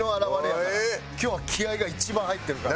今日は気合が一番入ってるから。